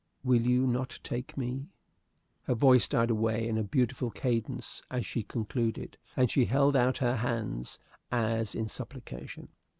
Will you not take me?" Her voice died away in a beautiful cadence as she concluded, and she held out her hands as in supplication.